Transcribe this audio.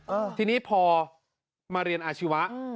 อ่าทีนี้พอมาเรียนอาชีวะอืม